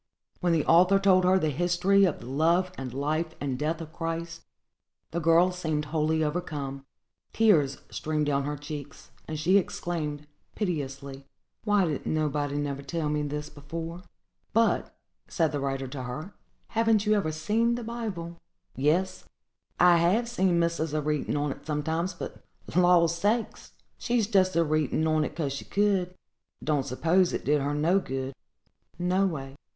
When the author told her the history of the love and life and death of Christ, the girl seemed wholly overcome; tears streamed down her cheeks; and she exclaimed, piteously, "Why didn't nobody never tell me this before?" "But," said the writer to her, "haven't you ever seen the Bible?" "Yes, I have seen missus a readin' on't sometimes; but, law sakes! she's just a readin' on't 'cause she could; don't s'pose it did her no good, no way."